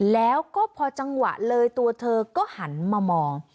แล้วก็พอจังหวะเลยตัวเธอก็หันมามอง